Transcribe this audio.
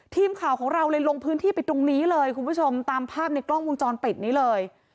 ทีมข่าวของเราเลยลงพื้นที่ไปตรงนี้เลยคุณผู้ชมตามภาพในกล้องวงจรปิดนี้เลย